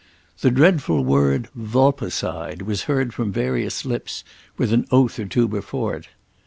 The dreadful word "vulpecide" was heard from various lips with an oath or two before it.